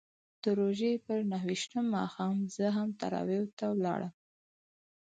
د روژې پر نهه ویشتم ماښام زه هم تراویحو ته ولاړم.